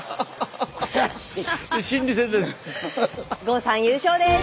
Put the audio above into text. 郷さん優勝です。